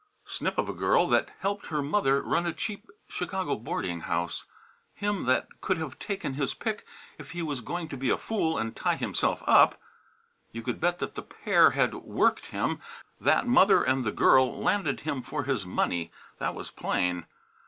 Snip of a girl that helped her mother run a cheap Chicago boarding house! Him that could have taken his pick, if he was going to be a fool and tie himself up! You could bet that the pair had "worked" him, that mother and the girl; landed him for his money, that was plain!